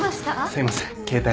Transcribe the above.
すいません携帯。